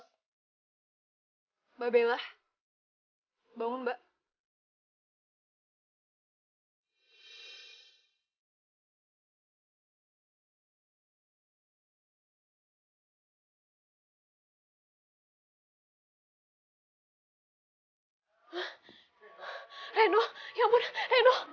juga aplikasi tersebut